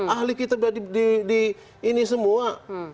ahli kita di ini semua